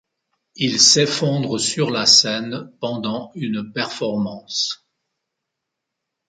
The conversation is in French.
Il s'effondre sur la scène pendant une performance.